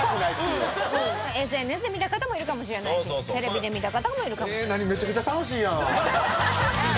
ＳＮＳで見た方もいるかもしれないしテレビで見た方もいるかもしれない。